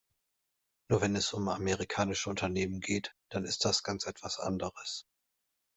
Nur, wenn es um amerikanische Unternehmen geht, dann ist das ganz etwas anderes.